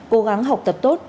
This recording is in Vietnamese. cố gắng học tập tốt